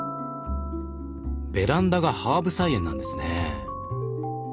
ベランダがハーブ菜園なんですね。